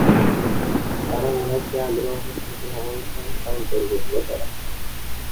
তার অন্য একটি আগ্রহ হচ্ছে ভ্রমণ সংস্থা অন্তর্ভুক্ত করা।